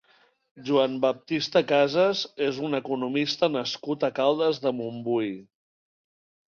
Joan Baptista Casas és un economista nascut a Caldes de Montbui.